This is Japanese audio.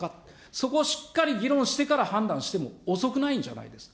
そこをしっかり議論してから判断しても遅くないんじゃないですか。